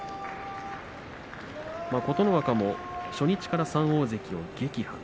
琴ノ若も初日から３大関を撃破。